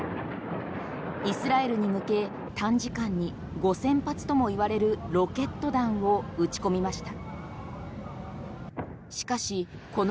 イスラエルに向け短時間に５０００発とも言われるロケット弾を撃ち込みました。